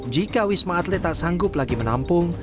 jika wisma atlet tak sanggup lagi menampung